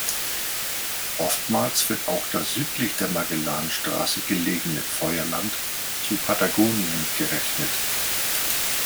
Oftmals wird auch das südlich der Magellanstraße gelegene Feuerland zu Patagonien gerechnet.